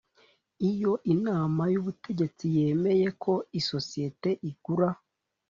Iyo inama y ubutegetsi yemeye ko isosiyete igura